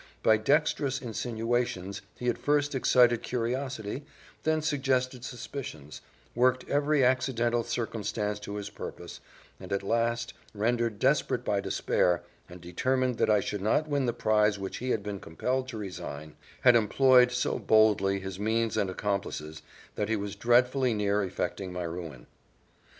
By dexterous insinuations he had first excited curiosity then suggested suspicions, worked every accidental circumstance to his purpose, and at last, rendered desperate by despair, and determined that I should not win the prize which he had been compelled to resign, had employed so boldly his means and accomplices, that he was dreadfully near effecting my ruin.